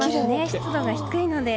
湿度が低いので。